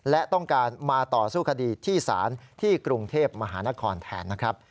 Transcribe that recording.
และต้องการมาต่อสู้คดีที่ศาลที่กรุงเทพมหานครแทนนะครับ